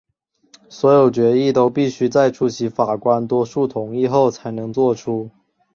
所有决议都必须在出席法官多数同意后才能做出。